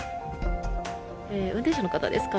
運転手の方ですかね